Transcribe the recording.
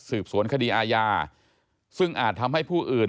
สวนคดีอาญาซึ่งอาจทำให้ผู้อื่น